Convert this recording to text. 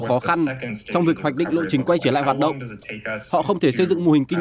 khó khăn trong việc hoạch định lộ trình quay trở lại hoạt động họ không thể xây dựng mô hình kinh